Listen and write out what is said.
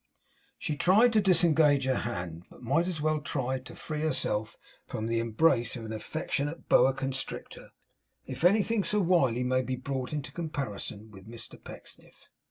She tried to disengage her hand, but might as well have tried to free herself from the embrace of an affectionate boa constrictor; if anything so wily may be brought into comparison with Pecksniff.